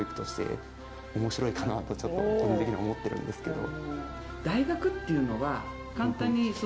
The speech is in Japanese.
かなとちょっと基本的には思ってるんですけど。